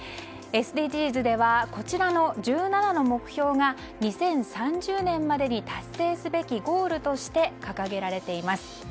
ＳＤＧｓではこちらの１７の目標が２０３０年までに達成すべきゴールとして掲げられています。